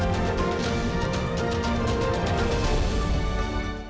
tetap di lain pemilu tidak percaya